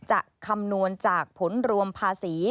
คำนวณจากผลรวมภาษี